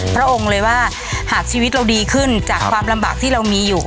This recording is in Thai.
พระองค์เลยว่าหากชีวิตเราดีขึ้นจากความลำบากที่เรามีอยู่